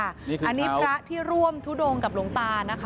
อันนี้พระที่ร่วมทุดงกับหลวงตานะคะ